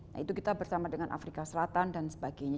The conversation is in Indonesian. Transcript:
nah itu kita bersama dengan afrika selatan dan sebagainya